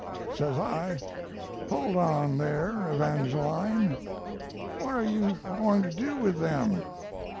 Says I, 'Hold on there, Evangeline, what are you going to do with them?'